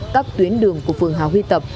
các tuyến đường của phường hà huy tập